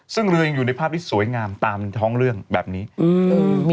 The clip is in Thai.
ซึ่งเรือยังอยู่ในภาพที่สวยงามตามท้องเรื่องแบบนี้อืม